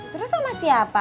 terus sama siapa